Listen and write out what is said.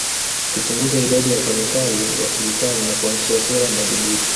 Kupunguza idadi ya wafanyi kazi wa serikali na kuanzisha sera madhubuti